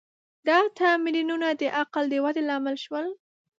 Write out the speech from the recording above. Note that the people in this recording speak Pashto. دا تمرینونه د عقل د ودې لامل شول.